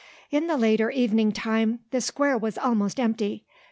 In the later evening time the Square was almost empty.